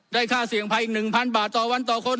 ได้ค่าเสี่ยงภัย๑๐๐๐บาทต่อวันต่อคน